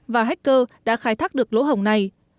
và hacker đã khai thác được lỗ hỏng này